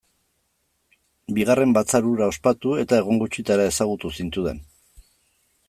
Bigarren batzar hura ospatu, eta egun gutxitara ezagutu zintudan.